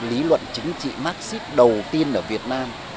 lý luận chính trị marxist đầu tiên ở việt nam